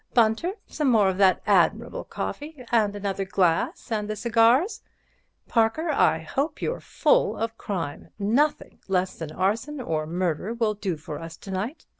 Bunter, some more of that admirable coffee and another glass and the cigars. Parker, I hope you're full of crime—nothing less than arson or murder will do for us to night.